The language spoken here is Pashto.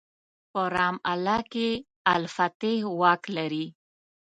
په رام الله کې الفتح واک لري.